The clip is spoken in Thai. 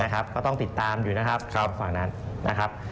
นะครับก็ต้องติดตามอยู่นะครับข้างนั้นนะครับ